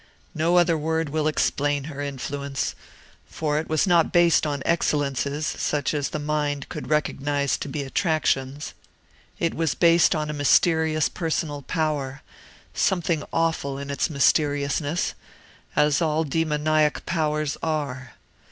No other word will explain her influence; for it was not based on excellences such as the mind could recognize to be attractions; it was based on a mysterious personal power, something awful in its mysteriousness, as all demoniac powers are.